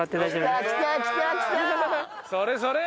それそれ！